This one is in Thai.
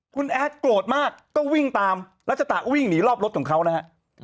คุณแอดโกรธมากก็วิ่งตามรัชตะก็วิ่งหนีรอบรถของเขานะฮะ